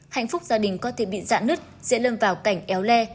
hạnh phúc gia đình có thể bị dạ nứt dễ lâm vào cảnh éo le